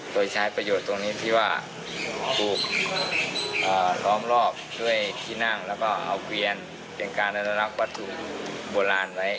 โดยใช้ประโยชน์ตรงนี้ที่ว่าถูกล้อมรอบด้วยที่นั่งแล้วก็เอาเกวียนเป็นการอนุรักษ์วัตถุโบราณไว้